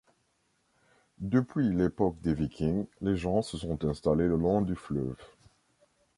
Depuis l'époque des Vikings, les gens se sont installés le long du fleuve.